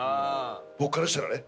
僕からしたらね。